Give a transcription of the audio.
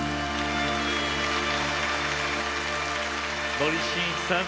森進一さん